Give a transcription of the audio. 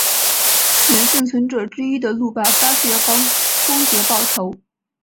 使幸存者之一的路霸发誓要帮公爵报仇。